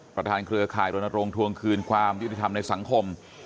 เครือข่ายรณรงค์ทวงคืนความยุติธรรมในสังคม